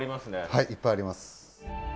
はいいっぱいあります。